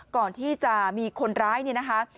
ก่อนที่จะมีคนร้ายเนี่ยนะคะ